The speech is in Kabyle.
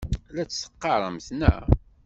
La t-teqqaremt, naɣ?